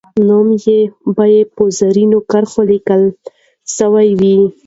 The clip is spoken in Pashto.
نوم یې به په زرینو کرښو لیکل سوی وو.